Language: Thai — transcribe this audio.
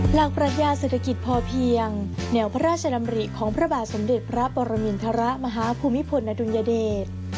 ปรัชญาเศรษฐกิจพอเพียงแนวพระราชดำริของพระบาทสมเด็จพระปรมินทรมาฮภูมิพลอดุลยเดช